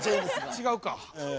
違うか。